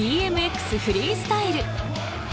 フリースタイル。